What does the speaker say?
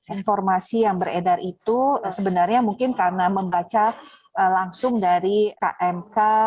informasi yang beredar itu sebenarnya mungkin karena membaca langsung dari kmk